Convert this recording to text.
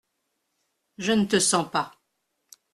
Je ne te sens pas !